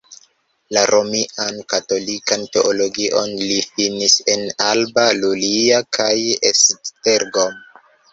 La romian katolikan teologion li finis en Alba Iulia kaj Esztergom.